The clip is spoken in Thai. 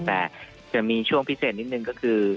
แต่จะมีช่วงพิเศษนิดนึงก็คือ